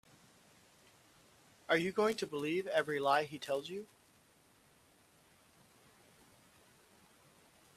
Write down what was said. Are you going to believe every lie he tells you?